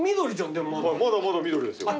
まだまだ緑ですよ。